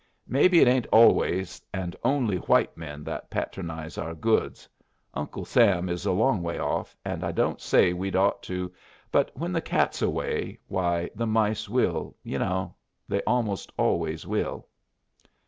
Maybe it ain't always and only white men that patronizes our goods. Uncle Sam is a long way off, and I don't say we'd ought to, but when the cat's away, why the mice will, ye know they most always will."